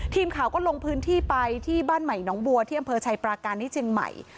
ทีมข่าวก็ลงพื้นที่ไปที่บ้านใหม่น้องบัวที่อำเภอชัยปราการที่เชียงใหม่